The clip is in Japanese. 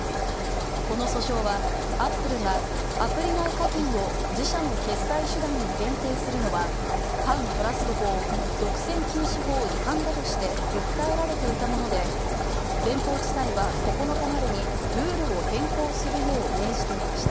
この訴訟はアップルがアプリ内課金を自社の決済手段に限定するのは反トラスト法＝独占禁止法違反だとして訴えられていたもので、連邦地裁は９日までにルールを変更するよう命じていました。